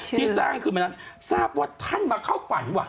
ที่สร้างขึ้นมานั้นทราบว่าท่านมาเข้าฝันว่ะ